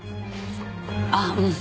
ああうん。